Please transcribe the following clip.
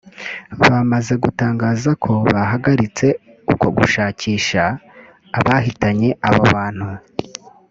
bamaze gutangaza ko bahagaritse uko gushakisha abahitanye abo bantu